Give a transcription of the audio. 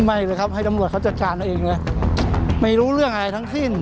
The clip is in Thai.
ไม่เลยครับให้ตำรวจเขาจัดการเอาเองเลยไม่รู้เรื่องอะไรทั้งสิ้น